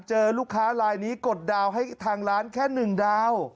เจอลูกค้าลายนี้กดดาวน์ให้ทางร้านแค่๑ดาว